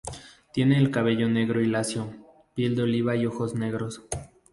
Tiene el cabello negro y lacio, piel de oliva y ojos negros.